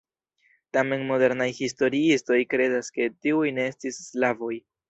Tamen modernaj historiistoj kredas ke tiuj ne estis slavoj.